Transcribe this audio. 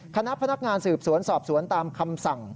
คณะพนักงานสืบสวนสอบสวนตามคำสั่ง